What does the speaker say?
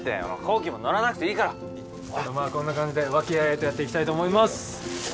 紘希も乗らなくていいから。とまあこんな感じで和気あいあいとやっていきたいと思います。